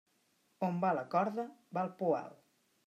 On va la corda, va el poal.